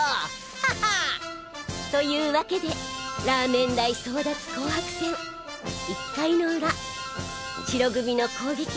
はっは！というわけでラーメン代争奪紅白戦１回の裏白組の攻撃